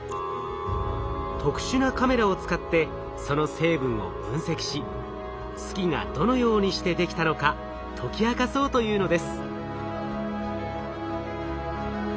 特殊なカメラを使ってその成分を分析し月がどのようにしてできたのか解き明かそうというのです。